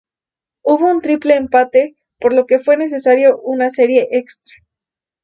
Hubo un triple empate por lo que fue necesario una serie extra.